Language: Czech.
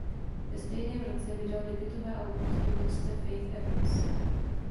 Ve stejném roce vydal debutové album zpěvačce Faith Evans.